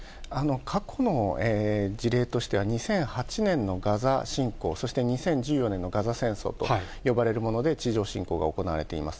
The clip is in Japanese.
過去の事例としては、２００８年のガザ侵攻、そして２０１４年のガザ戦争と呼ばれるもので地上侵攻が行われています。